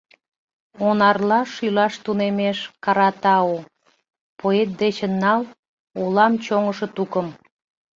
«Онарла шӱлаш тунемеш Каратау», Поэт дечын нал, олам чоҥышо тукым